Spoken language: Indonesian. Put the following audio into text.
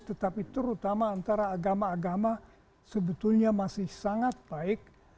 tetapi terutama antara agama agama sebetulnya masih sangat baik